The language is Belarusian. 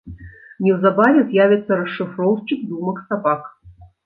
Неўзабаве з'явіцца расшыфроўшчык думак сабак.